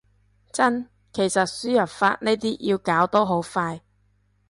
真，其實輸入法呢啲要搞都好快